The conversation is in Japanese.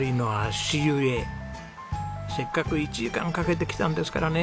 せっかく１時間かけて来たんですからね。